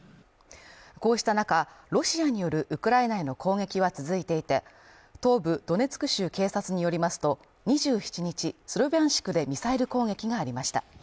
こうした中、ロシアによるウクライナへの攻撃は続いていて、東部ドネツク州警察によりますと２７日、スロビャンシクでミサイル攻撃がありました。